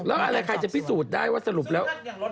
แล้วอะไรใครจะพิสูจน์ได้ว่าสรุปแล้ว